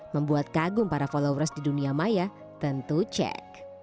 membuat kagum para followers di dunia maya tentu cek